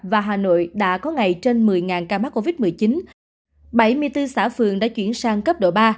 và hà nội đã có ngày trên một mươi ca mắc covid một mươi chín bảy mươi bốn xã phường đã chuyển sang cấp độ ba